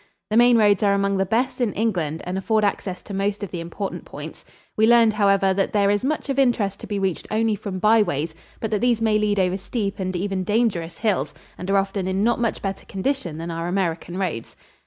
The main roads are among the best in England and afford access to most of the important points. We learned, however, that there is much of interest to be reached only from byways, but that these may lead over steep and even dangerous hills and are often in not much better condition than our American roads.